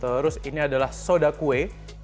terus ini adalah soda kue